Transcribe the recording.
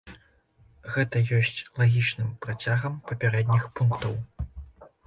Гэта ёсць лагічным працягам папярэдніх пунктаў.